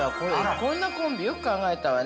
こんなコンビよく考えたわね。